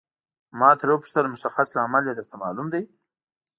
ما ترې وپوښتل مشخص لامل یې درته معلوم دی.